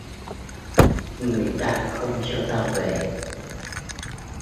Người ta không cho tao về